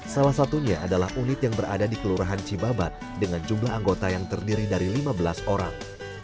salah satunya adalah unit yang berada di kelurahan cibabat dengan jumlah anggota yang terdiri dari lima belas orang